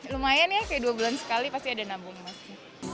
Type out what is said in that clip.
lumayan ya kayak dua bulan sekali pasti ada nabung emas